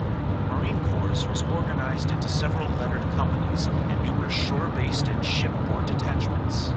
Marine Corps was organized into several lettered companies and numerous shore-based and shipboard detachments.